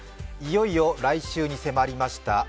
いよいよ来週に迫りました